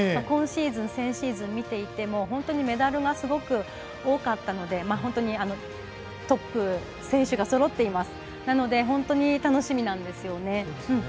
今シーズン、先シーズンを見ていてもメダルがすごく多かったのでトップ選手がそろっていますので本当に楽しみなんですよね。